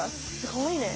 すごいね。